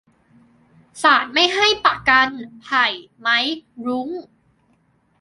ศาลไม่ให้ประกัน ไผ่ ไมค์ รุ้ง